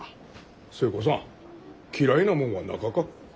寿恵子さん嫌いなもんはなかか？